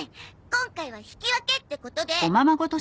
今回は引き分けってことで。